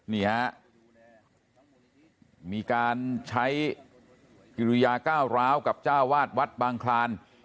นี่ฮะมีการใช้กิริยาก้าวร้าวกับเจ้าวาดวัดบางคลาน